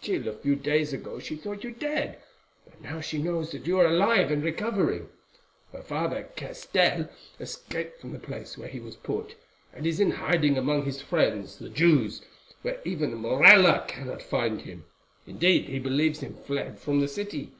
"Till a few days ago she thought you dead; but now she knows that you are alive and recovering. Her father, Castell, escaped from the place where he was put, and is in hiding among his friends, the Jews, where even Morella cannot find him; indeed, he believes him fled from the city.